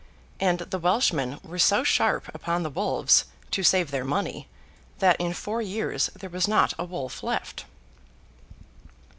And the Welshmen were so sharp upon the wolves, to save their money, that in four years there was not a wolf left.